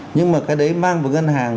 nhưng mà cái đấy mang vào ngân hàng